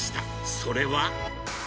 それは。